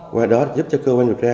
qua đó giúp cho cơ quan được ra